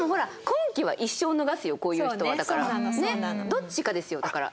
どっちかですよだから。